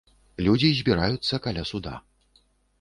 Людзі збіраюцца каля суда.